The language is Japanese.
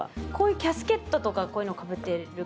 キャスケットとかこういうのをかぶってる感じですよね。